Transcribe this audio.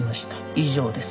以上です」。